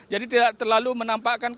jadi tidak terlalu menampakkan keamanan